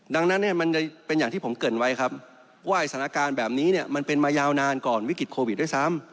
ดังนั้นเนี่ยมันจะเป็นอย่างที่ผมเกิดไว้ครับว่าสถานการณ์แบบนี้เนี่ยมันเป็นมายาวนานก่อนวิกฤตโควิดด้วยซ้ำ